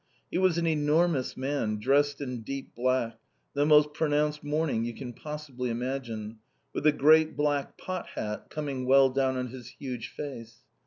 He was an enormous man, dressed in deep black, the most pronounced mourning you can possibly imagine, with a great black pot hat coming well down on his huge face.